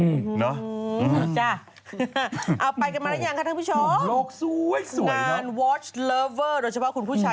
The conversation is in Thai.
อืมอืมจ้าอืมจ้า